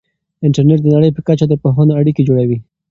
انټرنیټ د نړۍ په کچه د پوهانو اړیکې جوړوي.